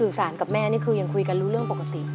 รู้เรื่องค่ะรู้เรื่อง